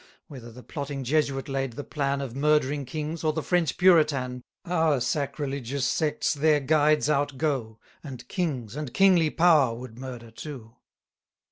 200 Whether the plotting Jesuit laid the plan Of murdering kings, or the French Puritan, Our sacrilegious sects their guides outgo, And kings and kingly power would murder too.